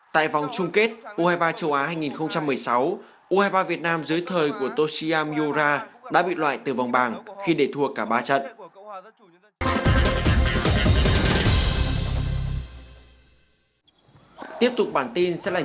tại vòng chung kết u hai mươi ba châu á hai nghìn một mươi sáu u hai mươi ba việt nam dưới thời của toshia myura đã bị loại từ vòng bảng khi để thua cả ba trận